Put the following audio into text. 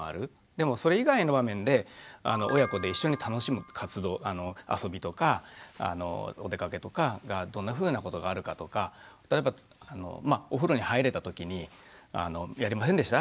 でもそれ以外の場面で親子で一緒に楽しむ活動遊びとかお出かけとかどんなふうなことがあるかとか例えばまあお風呂に入れた時にやりませんでした？